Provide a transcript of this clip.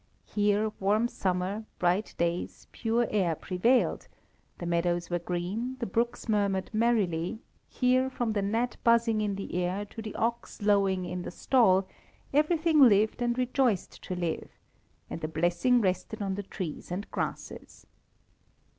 Here warm summer, bright days, pure air prevailed; the meadows were green, the brooks murmured merrily; here, from the gnat buzzing in the air to the ox lowing in the stall, everything lived and rejoiced to live, and a blessing rested on the trees and grasses.